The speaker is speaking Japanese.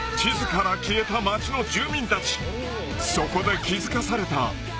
［そこで気付かされた］